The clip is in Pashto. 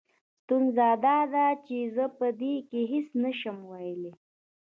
ستونزه دا ده چې زه په دې کې هېڅ نه شم ويلې.